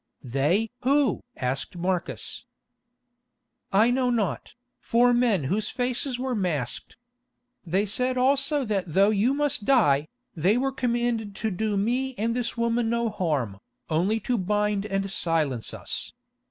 "They! Who?" asked Marcus. "I know not, four men whose faces were masked. They said also that though you must die, they were commanded to do me and this woman no harm, only to bind and silence us.